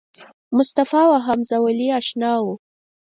همصنفي او همزولی آشنا و.